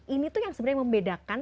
ini tuh yang sebenarnya membedakan